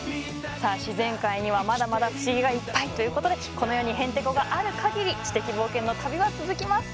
さあ自然界にはまだまだ不思議がいっぱいということでこの世にへんてこがあるかぎり知的冒険の旅は続きます。